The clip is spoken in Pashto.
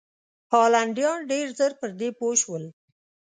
هالنډیان ډېر ژر پر دې پوه شول.